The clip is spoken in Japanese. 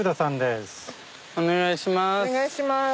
お願いします。